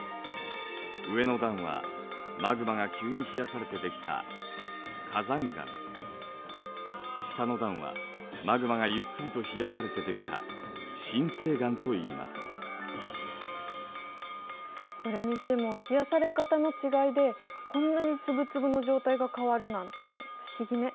上の段はマグマが急に冷やされて出来た下の段はマグマがゆっくりと冷やされて出来たそれにしても冷やされ方の違いでこんなに粒々の状態が変わるなんて不思議ね。